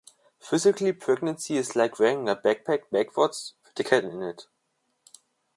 Physically, pregnancy is like wearing a backpack backwards - with a cat in it.